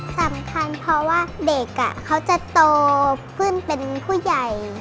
สำคัญเพราะว่าเด็กเขาจะโตขึ้นเป็นผู้ใหญ่